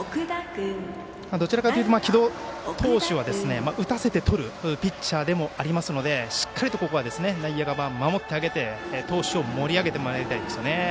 どちらかというと城戸投手は打たせてとるピッチャーでもありますのでしっかりと、内野が守ってあげて投手を盛り上げてもらいたいですよね。